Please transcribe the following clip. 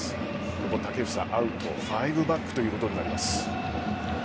久保建英アウト５バックということになります。